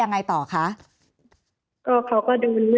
แอนตาซินเยลโรคกระเพาะอาหารท้องอืดจุกเสียดแสบร้อน